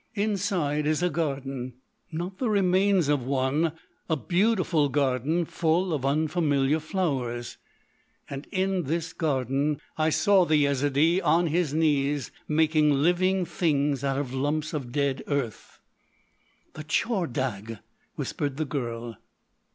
"Inside is a garden—not the remains of one—a beautiful garden full of unfamiliar flowers. And in this garden I saw the Yezidee on his knees making living things out of lumps of dead earth!" "The Tchordagh!" whispered the girl.